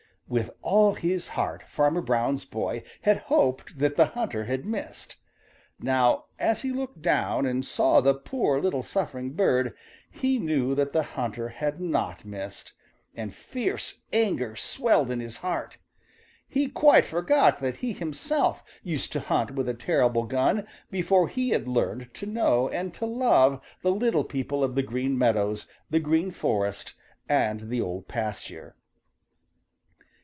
With all his heart Farmer Brown's boy had hoped that the hunter had missed. Now as he looked down and saw the poor little suffering bird he knew that the hunter had not missed, and fierce anger swelled his heart. He quite forgot that he himself used to hunt with a terrible gun before he had learned to know and to love the little people of the Green Meadows, the Green Forest and the Old Pasture.